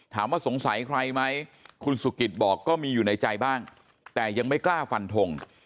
สงสัยใครไหมคุณสุกิตบอกก็มีอยู่ในใจบ้างแต่ยังไม่กล้าฟันทง